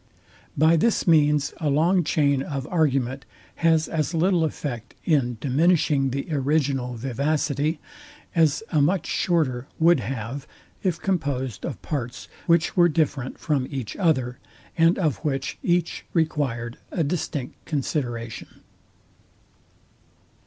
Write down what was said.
By this means a long chain of argument, has as little effect in diminishing the original vivacity, as a much shorter would have, if composed of parts, which were different from each other, and of which each required a distinct consideration.